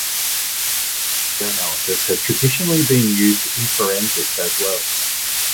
Microscopic hair analysis has traditionally been used in forensics as well.